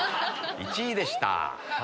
１位でした。